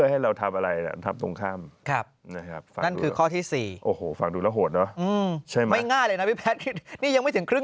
เหนื่อยแล้วเนี่ย